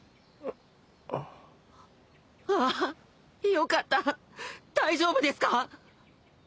あぁよかった大丈夫ですか？